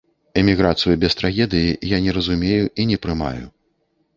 Эміграцыю без трагедыі я не разумею і не прымаю.